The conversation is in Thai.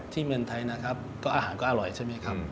เมืองไทยนะครับก็อาหารก็อร่อยใช่ไหมครับ